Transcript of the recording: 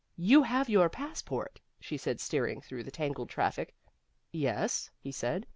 "You have your passport?" she said, steering through the tangled traffic. "Yes," he said.